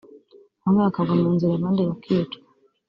bamwe bakagwa mu nzira abandi bakicwa